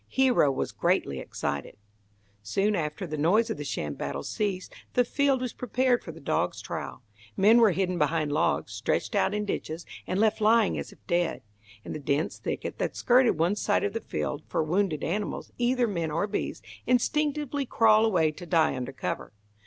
Hero was greatly excited. Soon after the noise of the sham battle ceased, the field was prepared for the dog's trial. Men were hidden behind logs, stretched out in ditches, and left lying as if dead, in the dense thicket that skirted one side of the field, for wounded animals, either men or beasts, instinctively crawl away to die under cover.